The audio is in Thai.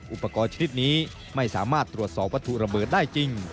อุปกรณ์ชนิดนี้ไม่สามารถตรวจสอบวัตถุระเบิดได้จริง